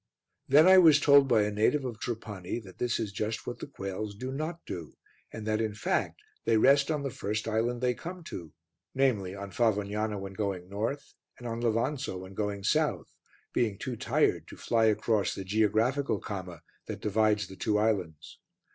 Then I was told by a native of Trapani that this is just what the quails do not do, and that, in fact, they rest on the first island they come to, namely, on Favognana when going north, and on Levanzo when going south, being too tired to fly across the geographical comma that divides the two islands.